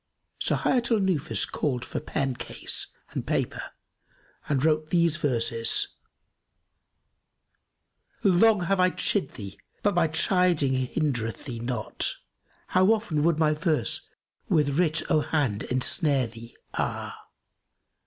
So Hayat al Nufus called for pen case and paper and wrote these verses, "Long have I chid thee but my chiding hindereth thee not * How often would my verse with writ o' hand ensnare thee, ah!